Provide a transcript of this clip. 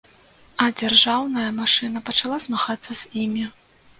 А дзяржаўная машына пачала змагацца з імі.